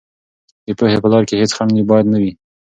د پوهې په لار کې هېڅ خنډ باید نه وي.